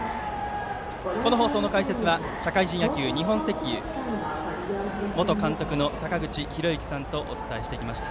この放送の解説は社会人野球、日本石油元監督の坂口裕之さんとお伝えしてきました。